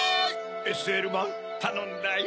ＳＬマンたのんだよ。